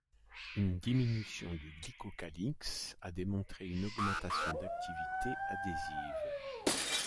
Une diminution du glycocalyx a démontré une augmentation d'activité adhésive.